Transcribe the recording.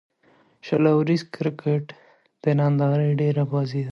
شل اووريز کرکټ د نندارې ډېره بازي ده.